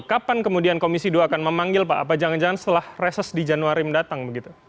kapan kemudian komisi dua akan memanggil pak apa jangan jangan setelah reses di januari mendatang begitu